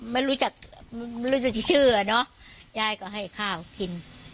มันรู้จักมันรู้จักที่เชื่อเนอะยายก็ให้ข้าวกิน